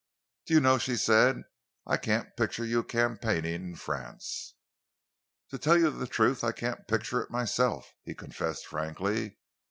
"Do you know," she said, "I can't picture you campaigning in France!" "To tell you the truth I can't picture it myself," he confessed frankly.